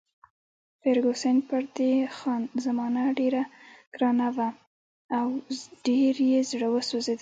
فرګوسن پر دې خان زمان ډېره ګرانه وه او ډېر یې زړه سوځېده.